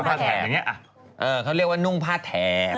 เออเขาเรียกว่านุ่งผ้าแถบ